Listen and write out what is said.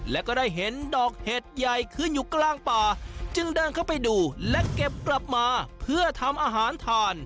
และก็ได้เห็นดอกเห็ดใหญ่ขึ้นอยู่กลางป่าจึงเดินเข้าไปดูและเก็บกลับมาเพื่อทำอาหารทาน